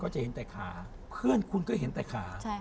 วันนั้นคุณก็เห็นแต่ขา